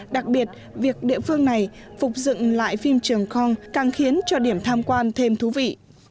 đặc biệt việc địa phương này phục dựng lại phim trường com càng khiến cho điểm tham quan thêm thú vị